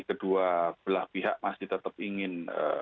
kedua belah pihak masih tetap ingin